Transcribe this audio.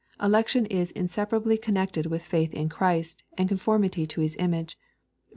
Elec tion is inseparably connected with faith in Christ, and conformity to His image. (Rom.